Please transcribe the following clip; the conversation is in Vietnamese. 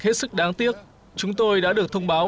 hết sức đáng tiếc chúng tôi đã được thông báo